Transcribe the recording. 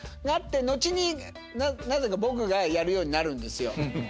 があって後になぜか僕がやるようになるんですよ。